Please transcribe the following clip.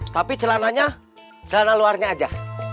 tapi celananya celana luarnya aja